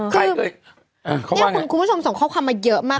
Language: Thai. คุณผู้ชมส่งข้อความมาเยอะมาก